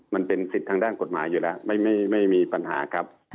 มันเป็นสิทธิ์ทางด้านกฎหมายอยู่แล้วไม่มีปัญหาครับ